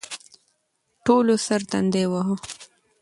ټولو سر تندی واهه.